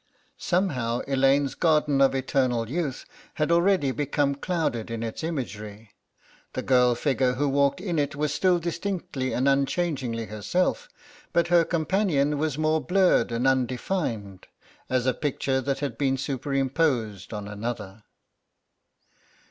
Somehow Elaine's garden of Eternal Youth had already become clouded in its imagery. The girl figure who walked in it was still distinctly and unchangingly herself, but her companion was more blurred and undefined, as a picture that has been superimposed on another.